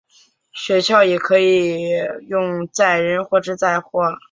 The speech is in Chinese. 雪橇也可用在载人或是载货。